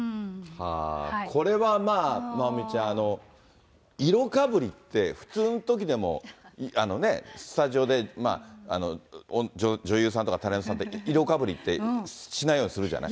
これはまあ、まおみちゃん、色かぶりって、普通のときでもね、スタジオで女優さんとかタレントさんって、色かぶりってしないようにするじゃない？